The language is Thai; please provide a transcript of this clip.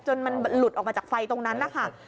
จนมันหลุดออกมาจากไฟตรงนั้น